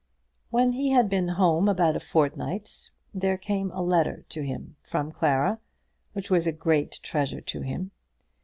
When he had been home about a fortnight, there came a letter to him from Clara, which was a great treasure to him.